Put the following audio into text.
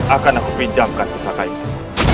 akan aku pinjamkan pusaka itu